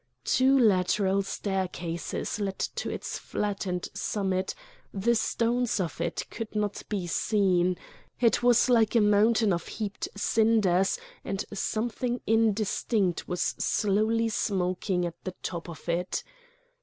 Two lateral staircases led to its flattened summit; the stones of it could not be seen; it was like a mountain of heaped cinders, and something indistinct was slowly smoking at the top of it.